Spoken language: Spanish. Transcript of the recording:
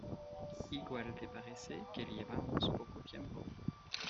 igual te parece que llevamos poco tiempo